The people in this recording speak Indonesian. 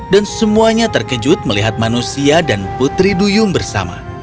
dan semuanya terkejut melihat manusia dan putri duyung bersama